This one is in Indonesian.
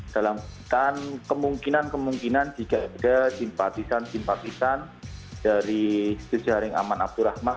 dalam kemungkinan kemungkinan jika ada simpatisan simpatisan dari jejaring aman abdurrahman